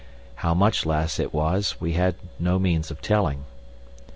How much less it was we had no means of telling.